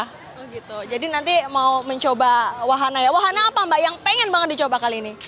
oh gitu jadi nanti mau mencoba wahana ya wahana apa mbak yang pengen banget dicoba kali ini